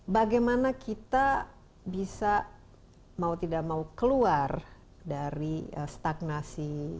bagaimana kita bisa mau tidak mau keluar dari stagnasi